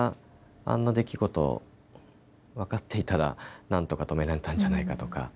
あんな出来事、分かっていたらなんとか止められたんじゃないかとか。